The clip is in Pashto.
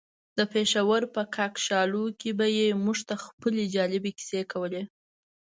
د پېښور په کاکشالو کې به يې موږ ته خپلې جالبې کيسې کولې.